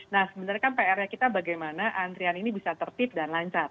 nah sebenarnya kan pr nya kita bagaimana antrian ini bisa tertib dan lancar